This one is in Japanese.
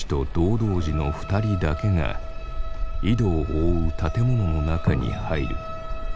童子の２人だけが井戸を覆う建物の中に入る。